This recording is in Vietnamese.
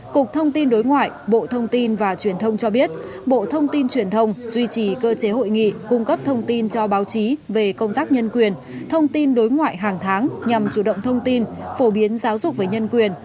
cục thông tin đối ngoại bộ thông tin và truyền thông cho biết bộ thông tin truyền thông duy trì cơ chế hội nghị cung cấp thông tin cho báo chí về công tác nhân quyền thông tin đối ngoại hàng tháng nhằm chủ động thông tin phổ biến giáo dục về nhân quyền